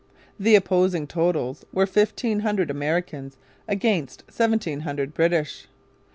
The opposing totals were fifteen hundred Americans against seventeen hundred British.